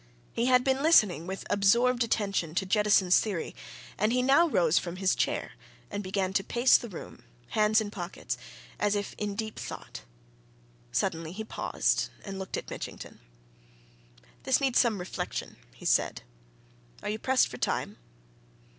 He had been listening with absorbed attention to Jettison's theory, and he now rose from his chair and began to pace the room, hands in pockets, as if in deep thought. Suddenly he paused and looked at Mitchington. "This needs some reflection," he said. "Are you pressed for time?"